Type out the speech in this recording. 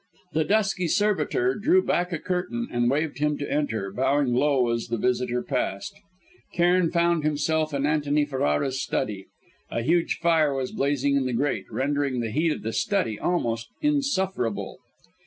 The dusky servitor drew back a curtain and waved him to enter, bowing low as the visitor passed. Cairn found himself in Antony Ferrara's study. A huge fire was blazing in the grate, rendering the heat of the study almost insufferable.